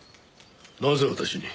なぜ私に？